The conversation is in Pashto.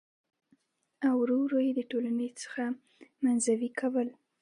او ور ور يې د ټـولنـې څـخـه منـزوي کـول .